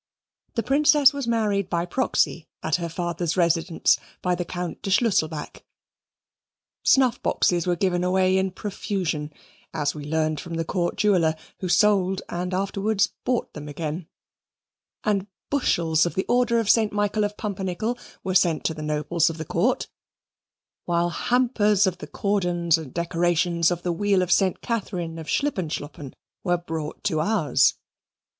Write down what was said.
The Princess was married by proxy, at her father's residence, by the Count de Schlusselback. Snuff boxes were given away in profusion (as we learned from the Court jeweller, who sold and afterwards bought them again), and bushels of the Order of Saint Michael of Pumpernickel were sent to the nobles of the Court, while hampers of the cordons and decorations of the Wheel of St. Catherine of Schlippenschloppen were brought to ours.